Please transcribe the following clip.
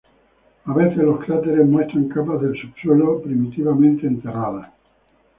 A veces los cráteres muestran capas del subsuelo primitivamente enterradas.